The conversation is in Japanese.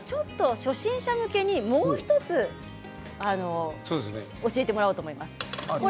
初心者向けに、もう１つ教えてもらおうと思います。